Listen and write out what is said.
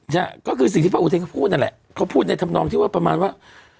ใช่ก็คือสิ่งที่พระอุเทนเขาพูดนั่นแหละเขาพูดในธรรมนองที่ว่าประมาณว่า